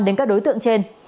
đến các đối tượng trên